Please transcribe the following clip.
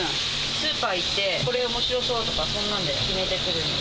スーパー行って、これおもしろそうとか、そんなんで決めてくるんで。